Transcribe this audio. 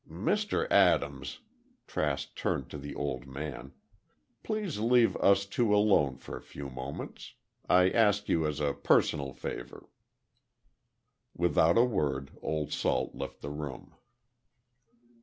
"Mr. Adams," Trask turned to the old man, "please leave us two alone for a few moments. I ask you as a personal favor." Without a word Old Salt left the room.